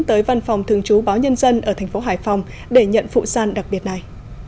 tới văn phòng thường trú báo nhân dân ở thành phố hải phòng để nhận phụ sàn đặc biệt này